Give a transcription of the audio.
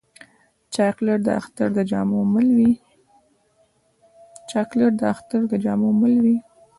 چاکلېټ د اختر د جامو مل وي.